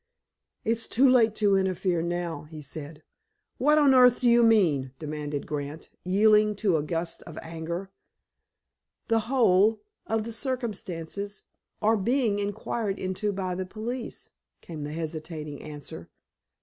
"It is too late to interfere now," he said. "What on earth do you mean?" demanded Grant, yielding to a gust of anger. "The whole—of the circumstances—are being inquired into by the police," came the hesitating answer.